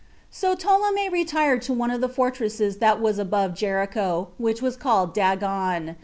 1. So Ptolemy retired to one of the fortresses that was above Jericho, which was called Dagon.